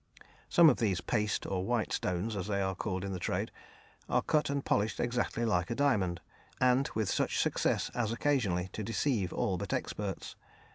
Some of these "paste," or "white stones," as they are called in the trade, are cut and polished exactly like a diamond, and with such success as occasionally to deceive all but experts.